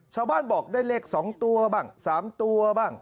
ชาวบ้านบอกได้เลข๒ตัวบ้าง๓ตัวบ้าง